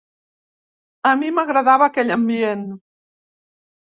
A mi m'agradava aquell ambient.